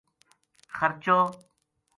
خرچو